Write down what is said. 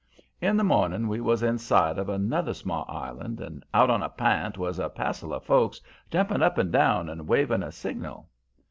"In the morning we was in sight of another small island, and, out on a p'int, was a passel of folks jumping up and down and waving a signal.